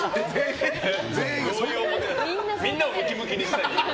みんなをムキムキにしたい。